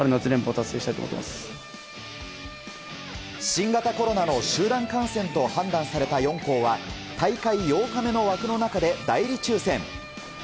新型コロナの集団感染と判断された４校は大会８日目の枠の中で代理抽選。